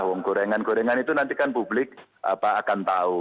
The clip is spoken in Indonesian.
wong gorengan gorengan itu nanti kan publik akan tahu